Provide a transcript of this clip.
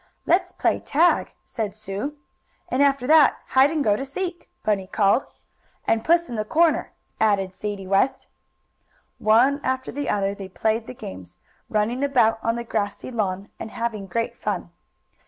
"Let's play tag!" said Sue. "And after that hide and go to seek," Bunny called. "And puss in the corner," added Sadie West. One after the other they played the games, running about on the grassy lawn, and having great fun.